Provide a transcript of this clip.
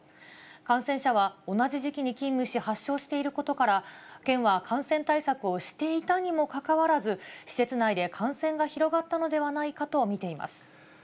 感染者は同じ時期に勤務し、発症していることから、県は感染対策をしていたにもかかわらず、施設内で感染が広がったのではないかと見ています。